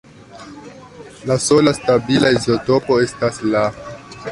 La sola stabila izotopo estas La.